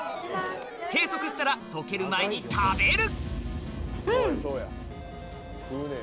計測したら溶ける前に食べる！